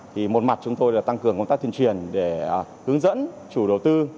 thì một mặt chúng tôi là tăng cường công tác tuyên truyền để hướng dẫn chủ đầu tư